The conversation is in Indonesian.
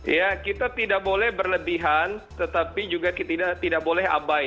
ya kita tidak boleh berlebihan tetapi juga tidak boleh abai